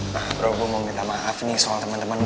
nah bro gue mau minta maaf nih soal temen temen gue